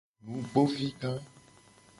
Nugbovi ga.